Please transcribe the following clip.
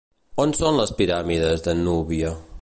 On són les piràmides de Núbia?